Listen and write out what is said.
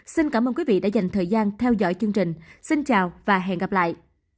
xin cảm ơn quý vị đã dành thời gian theo dõi chương trình xin chào và hẹn gặp lại